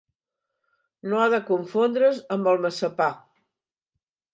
No ha de confondre's amb el massapà.